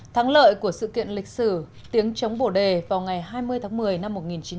thắng lợi của sự kiện lịch sử tiếng chống bồ đề vào ngày hai mươi tháng một mươi năm một nghìn chín trăm bảy mươi